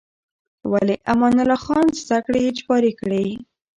ولې امان الله خان زده کړې اجباري کړې؟